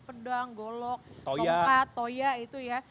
pedang golok tongkat toya itu ya